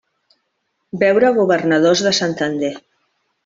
Veure Governadors de Santander.